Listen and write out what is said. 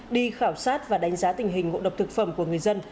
đi khảo sát và đánh giá tình hình ngộ độc thực phẩm của người dân